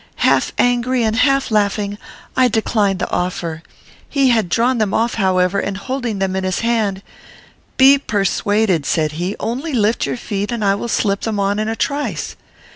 "Half angry, and half laughing, I declined the offer. He had drawn them off, however, and, holding them in his hand, 'Be persuaded,' said he; 'only lift your feet, and I will slip them on in a trice.'